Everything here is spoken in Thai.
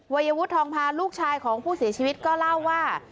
วัยวุฒทองพาลูกชายของผู้เสียชีวิตก็เล่าว่า